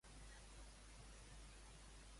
Vicenç Altaió i Josep M.